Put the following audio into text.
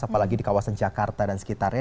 apalagi di kawasan jakarta dan sekitarnya